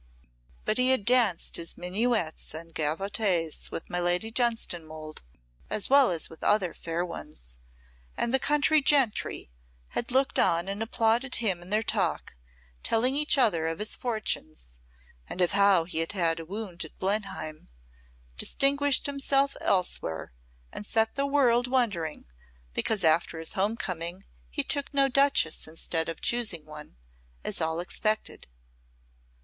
But he had danced his minuets and gavottes with my Lady Dunstanwolde as well as with other fair ones, and the country gentry had looked on and applauded him in their talk, telling each other of his fortunes, and of how he had had a wound at Blenheim, distinguished himself elsewhere, and set the world wondering because after his home coming he took no Duchess instead of choosing one, as all expected.